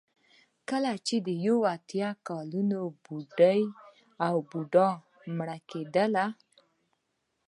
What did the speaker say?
کله چې یو اتیا کلن بوډا او یا بوډۍ مړه کېدله.